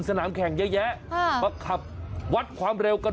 สนามแข่งเยอะแยะมาขับวัดความเร็วกัน